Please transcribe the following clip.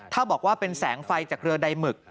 ถ้าบอกว่าเป็นแสงไฟจากเรือใดหมึก